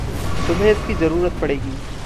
तुम्हें इसकी ज़रूरत पड़ेगी।